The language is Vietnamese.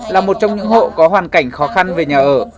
là một trong những hộ có hoàn cảnh khó khăn về nhà ở